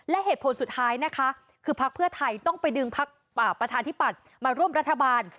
และเหตุผลสุดท้ายนะคะคือพักเพื่อไทยต้องไปดึงพักประชาธิปัตย์มาร่วมรัฐบาล